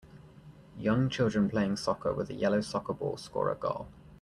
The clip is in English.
Young children playing soccer with a yellow soccer ball score a goal.